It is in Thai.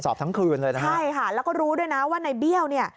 สอบทั้งคืนเลยนะครับใช่ค่ะแล้วก็รู้ด้วยนะว่านายเบี้ยว